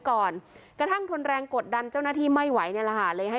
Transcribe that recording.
เขาก็ได้คิดว่าประตูมันห่อไป